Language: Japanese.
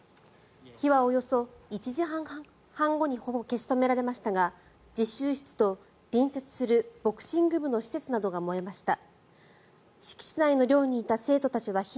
火はおよそ１時間半後にほぼ消し止められましたが実習室と隣接するボクシング部の施設などが燃えました。